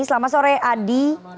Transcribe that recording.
selamat sore adi